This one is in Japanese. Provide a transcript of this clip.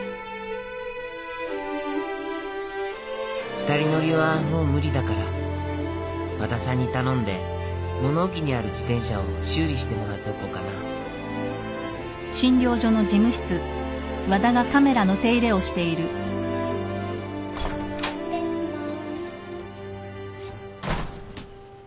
「二人乗りはもう無理だから和田さんに頼んで物置にある自転車を修理してもらっておこうかな」失礼します。